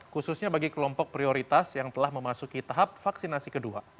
khususnya bagi kelompok prioritas yang telah memasuki tahap vaksinasi kedua